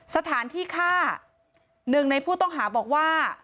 สถานที่ฆ่าหนึ่งในผู้ต้องหาบอกว่า